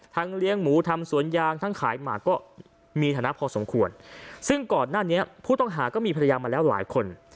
เลี้ยงหมูทำสวนยางทั้งขายหมากก็มีฐานะพอสมควรซึ่งก่อนหน้านี้ผู้ต้องหาก็มีภรรยามาแล้วหลายคน